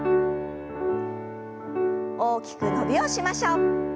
大きく伸びをしましょう。